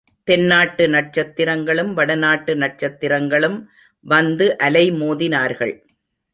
தென்னாட்டு நட்சத்திரங்களும், வடநாட்டு நட்சத்திரங்களும் வந்து அலைமோதினார்கள்.